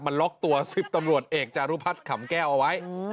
มันล็อกตัว๑๐ตำรวจเอกจารุพัฒน์ขำแก้วเอาไว้